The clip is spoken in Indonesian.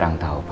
orang tahu pak